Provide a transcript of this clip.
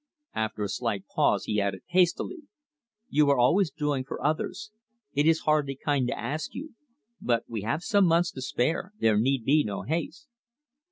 After a slight pause he added, hastily: "You are always doing for others. It is hardly kind to ask you; but we have some months to spare; there need be no haste."